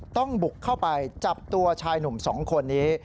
ต้องบุกเข้าไปจับตัวชายหนุ่ม๒คนนี้